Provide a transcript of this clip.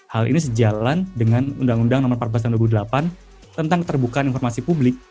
hal ini sejalan dengan undang undang nomor empat belas tahun dua ribu delapan tentang keterbukaan informasi publik